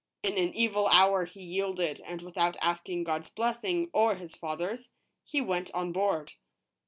In an evil hour he yielded, and without asking God's blessing or his father's, he went on board.